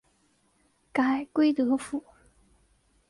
改归德府。